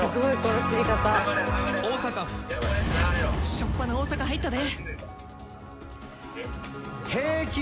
「初っぱな大阪入ったで」。